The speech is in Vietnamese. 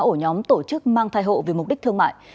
ổ nhóm tổ chức mang thai hộ vì mục đích thương mại